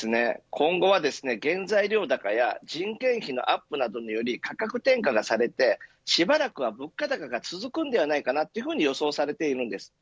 今後は原材料高や人件費のアップなどにより価格転嫁がされてしばらくは物価高が続くのではないかと予想されています。